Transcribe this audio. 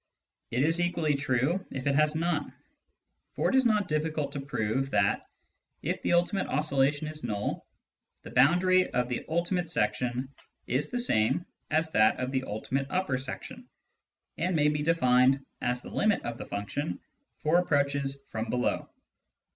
It is equally true if it has none ; for it is not difficult to prove that, if the ultimate oscilla tion is null, the boundary of the ultimate section is the same as that of the ultimate upper section, and may be defined as the limit of the function for approaches from below.